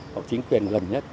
hoặc chính quyền gần nhất